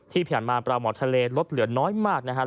ที่ผ่านมาปลาหมอทะเลลดเหลือน้อยมากนะครับ